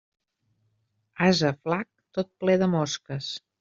Ase flac, tot ple de mosques.